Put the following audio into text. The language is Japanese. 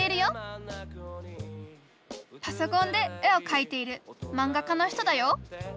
パソコンで絵をかいている漫画家の人だよ